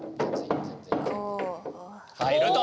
入ると！